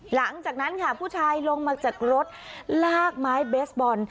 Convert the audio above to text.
หลังจากนั้นค่ะผู้ชายลงมาจากรถลากไม้เบสบอล